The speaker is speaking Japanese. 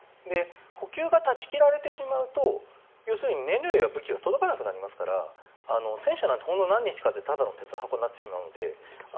補給が断ち切られてしまうと要するに燃料や武器が届かなくなりますから戦車なんてほんの何日かでただの鉄の箱になるので。